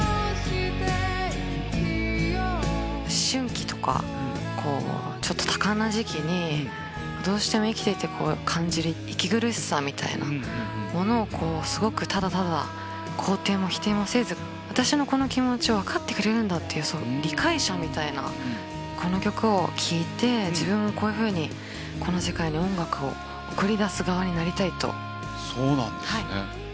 思春期とか、ちょっと多感な時期に、どうしても生きていて感じる息苦しさみたいなものをすごくただただ、肯定も否定もせず、私のこの気持ちを分かってくれるんだっていう理解者みたいな、この曲を聴いて、自分もこういうふうに、この世界に音楽を送り出そうなんですね。